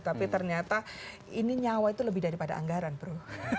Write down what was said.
tapi ternyata ini nyawa itu lebih daripada anggaran bro